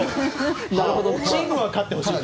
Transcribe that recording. チームは勝ってほしいんだ。